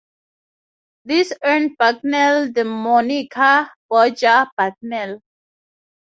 This earned Bucknell the moniker 'Bodger' Bucknell.